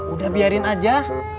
udah biarin aja